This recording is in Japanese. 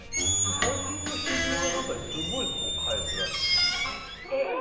最近の主流はすごい返すらしいですよ。